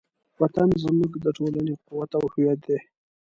وطن زموږ د ټولنې قوت او هویت دی.